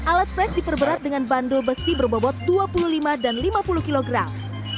alat fresh diperberat dengan bandul besi berbobot dua puluh lima dan lima puluh kilogram